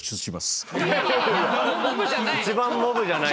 一番モブじゃない。